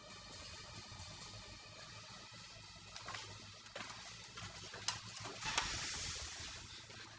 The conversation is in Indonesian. mau jadi kayak gini sih salah buat apa